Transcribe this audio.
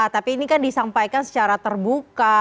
tapi ini kan disampaikan secara terbuka